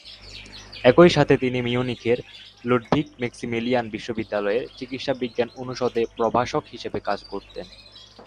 একই সাথে তিনি মিউনিখের লুডভিগ-মাক্সিমিলিয়ান বিশ্ববিদ্যালয়ের চিকিৎসাবিজ্ঞান অনুষদে প্রভাষক হিসেবে কাজ করতেন।